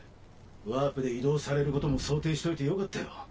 ワープで移動されることも想定しといてよかったよ。